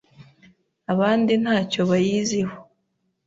abandi ntacyo bayiziho.